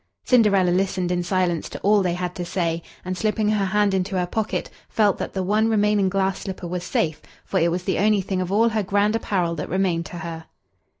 Cinderella listened in silence to all they had to say, and, slipping her hand into her pocket, felt that the one remaining glass slipper was safe, for it was the only thing of all her grand apparel that remained to her.